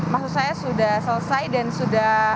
maksud saya sudah selesai dan sudah